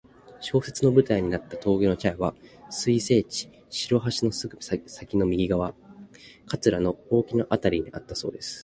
小説の舞台になった峠の茶屋は水生地・白橋のすぐ先の右側、桂の大木のあたりにあったそうです。